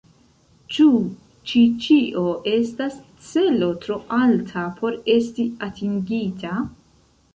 Ĉu ĉi ĉio estas celo tro alta por esti atingita?